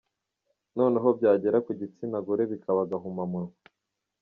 Noneho byagera ku gitsina gore bikaba agahuma munwa.